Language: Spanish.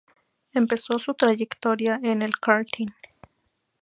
Empezó su trayectoria en el karting.